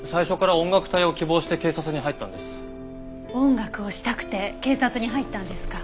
音楽をしたくて警察に入ったんですか。